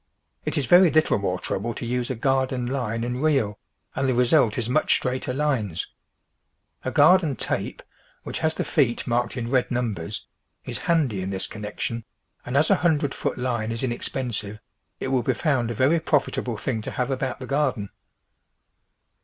It is very little more trouble to use a garden line and reel, and the result is much straighter lines. A garden tape, which has the feet marked in red numbers, is handy in this connection, and as a hundred foot line is inex]3ensive, it will be found a very profit able thing to have about the garden.